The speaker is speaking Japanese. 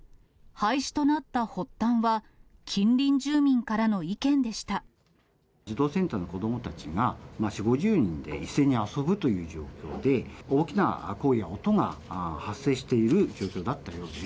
廃止となった発端は、児童センターの子どもたちが、４、５０人で一斉に遊ぶという状況で、大きな声や音が発生している状況